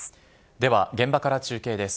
では現場から中継です。